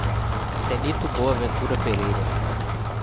Celito Boaventura Pereira